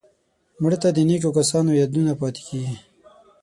مړه ته د نیکو کسانو یادونه پاتېږي